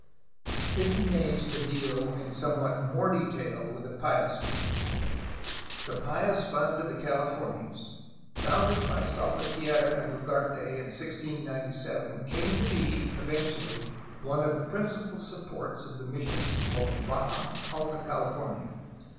It remains to deal in somewhat more detail with the Pious Fund. The Pious Fund of the Calif ornias, founded by Salvatierra and Ugarte in 1697, came to be, eventually, one of the prin cipal supports of the missions of both Baja and Alta Cal ifornia.